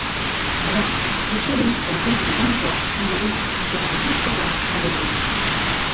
Beraz, uste dut kontzertu dinamikoa izango dela eta ezustekoak izango direla.